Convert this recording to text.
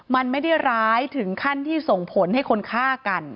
มันไม่ได้ร้ายถึงขั้นที่ส่งผลให้คนฆ่ากัน